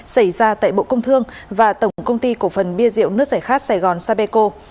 xảy ra tại bộ công thương và tổng công ty cổ phần bia rượu nước giải khát sài gòn sapeco